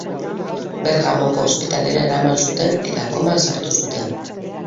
Bergamoko ospitalera eraman zuten eta koman sartu zuten.